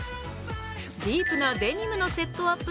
ディープなデニムのセットアップ